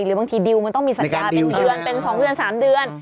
หรือบางทีดิวมันต้องมีสัญญาเป็นเดือนเป็น๒เดือน๓เดือน